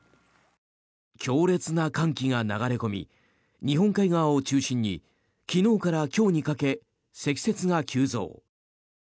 強烈な寒気が流れ込み日本海側を中心に昨日から今日にかけ積雪が急増。